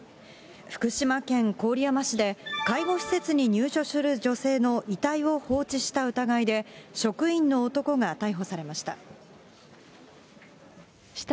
福島県郡山市で、介護施設に入所する女性の遺体を放置した疑いで、職員の男が逮捕されました。